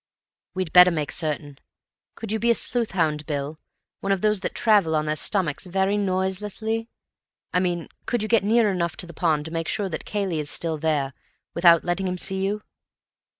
"We'd better make certain. Could you be a sleuthhound, Bill—one of those that travel on their stomachs very noiselessly? I mean, could you get near enough to the pond to make sure that Cayley is still there, without letting him see you?"